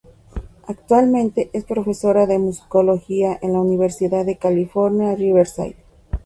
Actualmente es profesora de Musicología en la Universidad de California, Riverside.